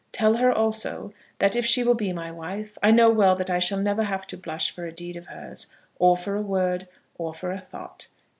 Tell her, also, that if she will be my wife, I know well that I shall never have to blush for a deed of hers, or for a word, or for a thought.